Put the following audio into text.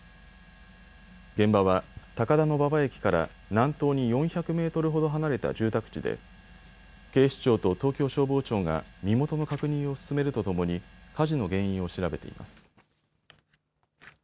現場は高田馬場駅から南東に４００メートルほど離れた住宅地で警視庁と東京消防庁が身元の確認を進めるとともに火事の原因を調べています。